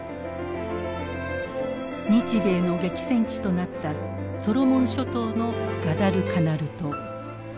日米の激戦地となったソロモン諸島のガダルカナル島。